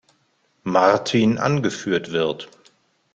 Martin angeführt wird.